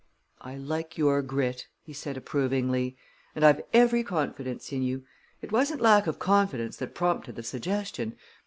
"I like your grit," he said approvingly, "and I've every confidence in you it wasn't lack of confidence that prompted the suggestion.